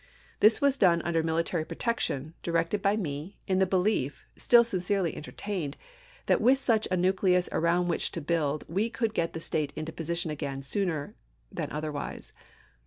This was done under military pro tection, directed by me, in the belief, still sincerely enter tained, that with such a nucleus around which to build we could get the State into position again sooner than otherwise.